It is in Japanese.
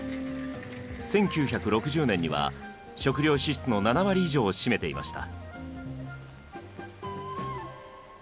１９６０年には食料支出の７割以上を占めていました。